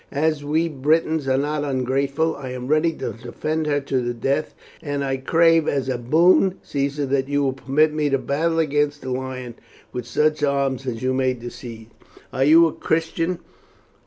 As we Britons are not ungrateful I am ready to defend her to the death, and I crave as a boon, Caesar, that you will permit me to battle against the lion with such arms as you may decide." "Are you a Christian?"